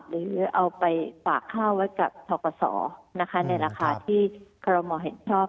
หรือเอาไปฝากข้าวไว้กับทกศในราคาที่คอรมอลเห็นชอบ